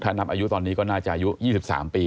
ถ้านำอายุตอนนี้ก็น่าจะอายุ๒๓ปีแล้ว